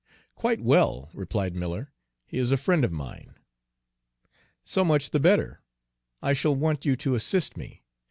"Quite well," replied Miller, "he is a friend of mine." "So much the better. I shall want you to assist me.